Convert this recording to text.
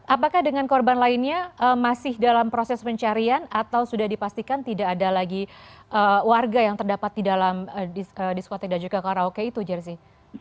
apakah dengan korban lainnya masih dalam proses pencarian atau sudah dipastikan tidak ada lagi warga yang terdapat di dalam diskote dan juga karaoke itu jersey